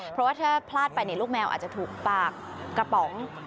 เพราะว่าถ้าพลาดไปลูกแมวอาจจะถูกปากกระป๋อง